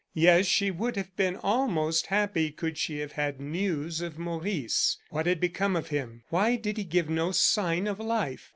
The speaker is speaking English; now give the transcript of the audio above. Yes, she would have been almost happy, could she have had news of Maurice. What had become of him? Why did he give no sign of life?